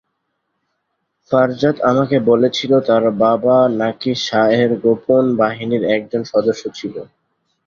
ফারজাদ আমাকে বলেছিল তার বাবা নাকি শাহ-এর গোপন বাহিনীর একজন সদস্য ছিল।